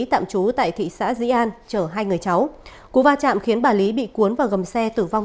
tạm trú tại thị xã dĩ an chở hai người cháu cú va chạm khiến bà lý bị cuốn vào gầm xe tử vong